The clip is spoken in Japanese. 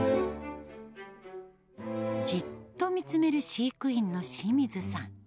じっと見つめる飼育員の清水さん。